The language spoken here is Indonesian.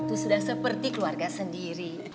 itu sudah seperti keluarga sendiri